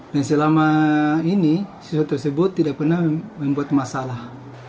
dan selama ini siswa tersebut tidak pernah membuat masalah